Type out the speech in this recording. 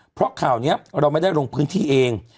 เพราะข่าวนี้เราไม่ได้ลงพื้นที่เอง